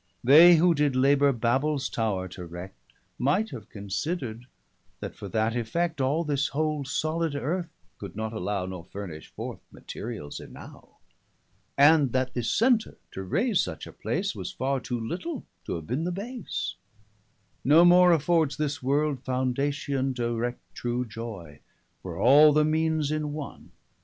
They who did labour Babels tower to'erect, Might have considered, that for that effect, All this whole solid Earth could not allow Nor furnish forth materialls enow; 420 And that this Center, to raise such a place, Was farre too little, to have beene the Base; No more affords this world, foundation To erect true joy, were all the meanes in one.